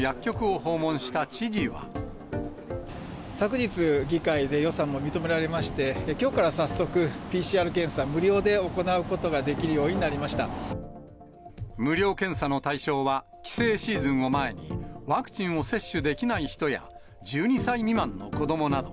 昨日、議会で予算も認められまして、きょうから早速、ＰＣＲ検査、無料で行うことができるよ無料検査の対象は、帰省シーズンを前に、ワクチンを接種できない人や、１２歳未満の子どもなど。